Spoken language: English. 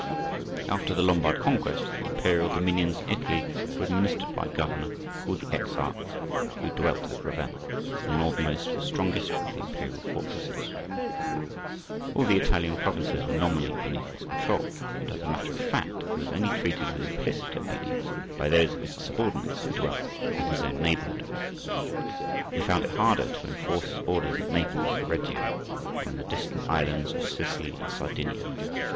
After the Lombard conquest the imperial dominions in Italy were administered by a governor, called the Exarch, who dwelt at Ravenna, the northernmost and strongest of the imperial fortresses. All the Italian provinces were nominally beneath his control, but, as a matter of fact, he was only treated with implicit obedience by those of his subordinates who dwelt in his own neighbourhood. He found it harder to enforce his orders at Naples and Reggio, or in the distant islands of Sicily and Sardinia.